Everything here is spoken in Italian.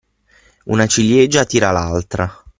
Una ciliegia tira l'altra.